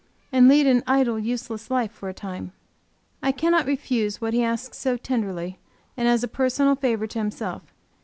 and lead an idle, useless life, for a time. I cannot refuse what he asks so tenderly, and as a personal favor to himself.